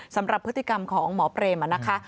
สำหรับพฤติกรรมของหมอเปรมนะคะ